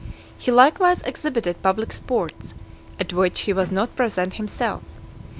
He likewise exhibited public sports, at which he was not present himself.